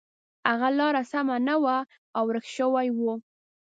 هغه لاره سمه نه وه او ورک شوی و.